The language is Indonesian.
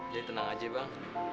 jadi tenang aja bang